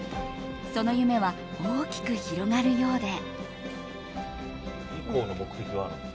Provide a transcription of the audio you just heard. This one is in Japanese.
その夢は大きく広がるようで。